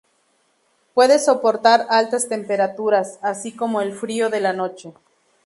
Puede soportar altas temperaturas, así como el frío de la noche.